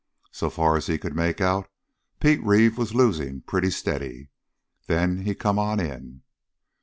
So far as he could make out, Pete Reeve was losing pretty steady. Then he come on in.